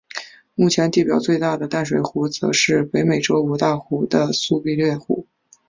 目前地表上最大的淡水湖则是北美洲五大湖区的苏必略湖。